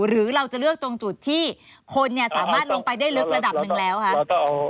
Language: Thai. หรือเราจะเลือกตรงจุดที่คนสามารถลงไปได้ลึกระดับหนึ่งแล้วคะ